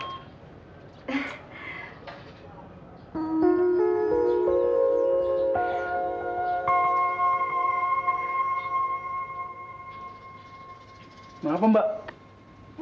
ga terserah buat aku